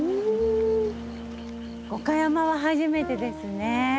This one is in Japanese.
五箇山は初めてですね。